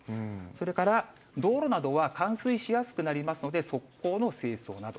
それから道路などは冠水しやすくなりますので、側溝の清掃など。